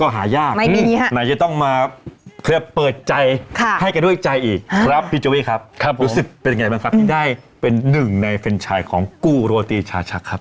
โอ้โหโอ๊โอ้โหเจอเวี่ยครับรู้สึกเป็นไงครับครับถึงได้เป็นหนึ่งในเฟรนไชน์ของกูราวตีชาชักครับ